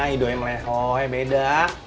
ido yang leho yang beda